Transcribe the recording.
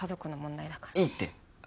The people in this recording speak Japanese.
いいって。